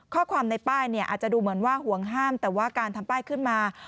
ข้อความในป้ายเนี่ยอาจจะดูเหมือนว่าห่วงห้ามแต่ว่าการทำป้ายขึ้นมา